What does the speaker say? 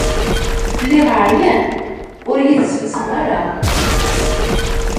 Lliɣ ɛeryan, ur yi-tesselsem ara.